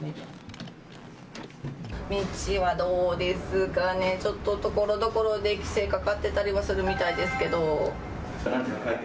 道はどうですかね、ところどころで規制がかかっていたりはするみたいです。